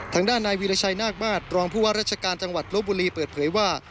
ทางด้านนายวีรชัยนาคมาตรรองผู้ว่าราชการจังหวัดลบบุรีเปิดเผยว่า